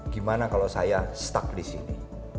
gimana kalau saya stuck disini